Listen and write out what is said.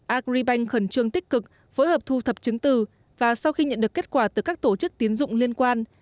agribank khẩn trương tích cực phối hợp thu thập chứng từ và sau khi nhận được kết quả từ các tổ chức tiến dụng liên quan